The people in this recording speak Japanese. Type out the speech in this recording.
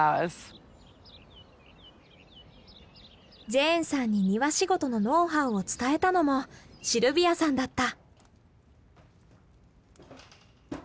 ジェーンさんに庭仕事のノウハウを伝えたのもシルビアさんだった。